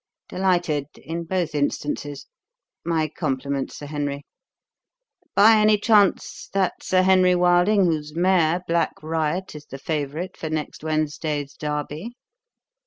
"Delighted in both instances. My compliments, Sir Henry. By any chance that Sir Henry Wilding whose mare, Black Riot, is the favourite for next Wednesday's Derby?"